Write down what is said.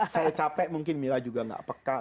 saya capek mungkin mila juga nggak peka